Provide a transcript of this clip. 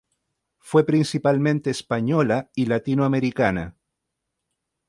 Fue principalmente española y latinoamericana.